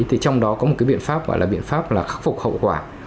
trong đó có một biện pháp gọi là biện pháp khắc phục hậu quả